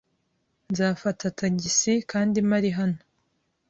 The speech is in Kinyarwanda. Nzafata tagisi kandi mpari hano.